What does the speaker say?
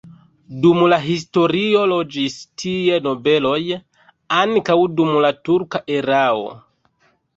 Dum la historio loĝis tie nobeloj, ankaŭ dum la turka erao.